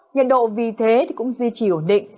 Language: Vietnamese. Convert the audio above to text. nhiệt độ vì thế cũng duy trì ổn định